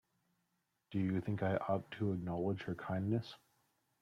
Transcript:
Do you think I ought to acknowledge her kindness?